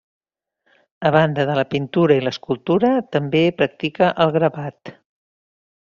A banda de la pintura i l'escultura, també practica el gravat.